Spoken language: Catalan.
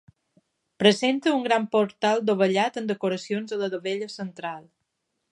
Presenta un gran portal dovellat amb decoracions a la dovella central.